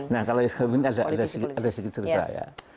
nah kalau mungkin ada sedikit cerita ya